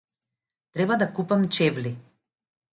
Треба да купам чевли.